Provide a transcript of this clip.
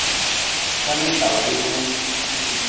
Calam ta wiiwung.